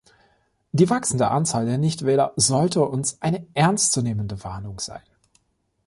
Die wachsende Anzahl der Nichtwähler sollte uns eine ernstzunehmende Warnung sein.